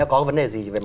nó có vấn đề gì